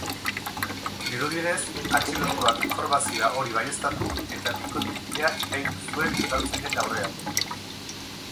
Dirudienez, atxilotuak informazioa hori baieztatu eta bikotekidea iraindu zuen udaltzainen aurrean.